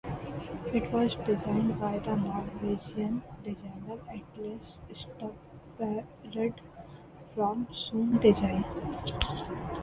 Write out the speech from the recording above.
It was designed by the Norwegian designer Atle Stubberud from Soon Design.